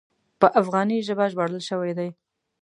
په افغاني ژبه ژباړل شوی دی.